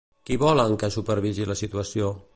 Qui volen que supervisi la situació?